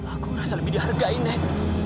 aku merasa lebih dihargai nek